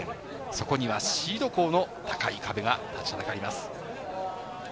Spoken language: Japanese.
そこにはシード校の高い壁が立ちはだかります。